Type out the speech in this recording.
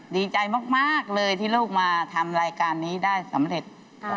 ดีใจมากเลยที่ลูกมาทำรายการนี้ได้สำเร็จ